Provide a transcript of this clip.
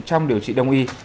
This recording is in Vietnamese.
trong điều trị đông y